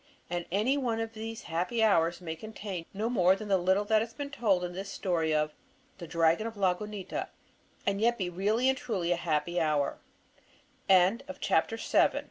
And any one of these happy hours may contain no more than the little that has been told in this story of the "Dragon of Lagunita," and yet be really and truly a happy h